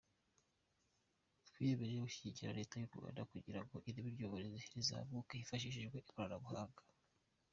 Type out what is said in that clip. Twiyemeje gushyigikira Leta y’u Rwanda kugirango ireme ry’uburezi rizamuke hifashishijwe ikoranabuhanga.